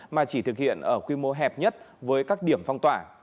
mà chỉ thực hiện ở quy mô hẹp nhất với các điểm phong tỏa